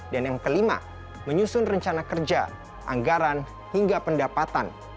dan yang kelima menyusun rencana kerja anggaran hingga pendapatan